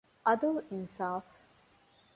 ޢަދުލު އިންޞާފު